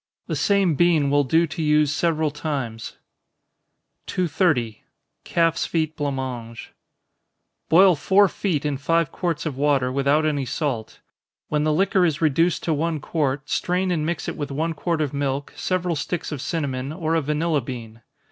The same bean will do to use several times. 230. Calf's Feet Blanc Mange. Boil four feet in five quarts of water, without any salt. When the liquor is reduced to one quart, strain and mix it with one quart of milk, several sticks of cinnamon, or a vanilla bean.